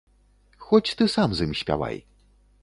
Хоць ты сам з ім спявай!